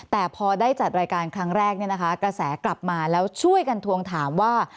แต่พอได้จัดรายการครั้งแรกเนี่ยนะคะกระแสกลับมาแล้วช่วยกันทวงถามว่า